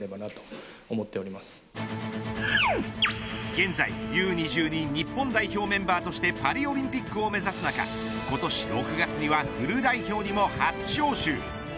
現在、Ｕ‐２２日本代表メンバーとしてパリオリンピックを目指す中今年６月にはフル代表にも初招集。